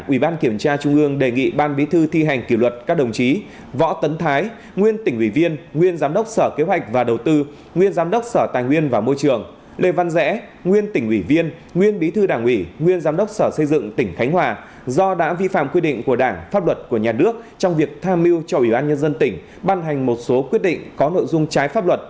tám ủy ban kiểm tra trung ương đề nghị bộ chính trị ban bí thư xem xét thi hành kỷ luật ban thường vụ tỉnh ủy bình thuận phó tổng kiểm toán nhà nước vì đã vi phạm trong chỉ đạo thanh tra giải quyết tố cáo và kiểm toán tại tỉnh bình thuận